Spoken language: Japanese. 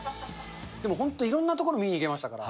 でも本当、いろんな所見に行けましたから。